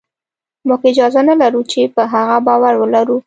موږ اجازه نه لرو چې په هغه باور ولرو